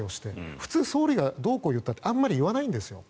普通、総理がどうこう言ったってあまり言わないんですよ。